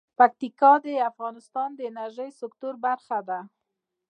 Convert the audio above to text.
پکتیکا د افغانستان د انرژۍ سکتور برخه ده.